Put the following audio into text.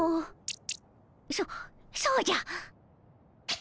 そそうじゃ！